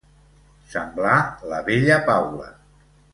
Semblar la vella Paula.